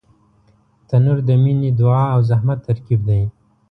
تنور د مینې، دعا او زحمت ترکیب دی